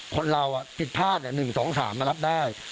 คนเราอ่ะติดพลาดเนี่ยหนึ่งสองสามมารับได้